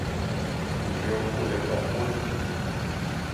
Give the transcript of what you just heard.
有龍骨个動物